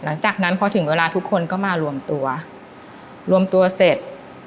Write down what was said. หลังจากนั้นพอถึงเวลาทุกคนก็มารวมตัวรวมตัวเสร็จ